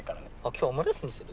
今日オムライスにする？